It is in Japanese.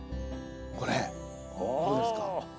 これこれですか？